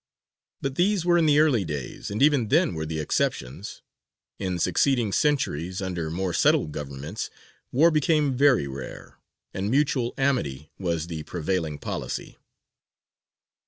But these were in the early days, and even then were the exceptions; in succeeding centuries, under more settled governments, war became very rare, and mutual amity was the prevailing policy.